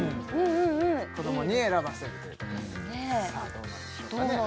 うん子どもに選ばせるというさあどうなんでしょうかね